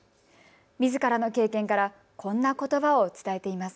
みずからの経験からこんなことばを伝えています。